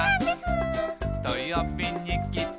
「とよびにきて」